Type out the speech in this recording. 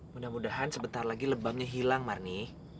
mudah mudahan sebentar lagi lebamnya hilang marni